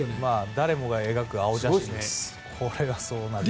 誰もが描く青写真ですね。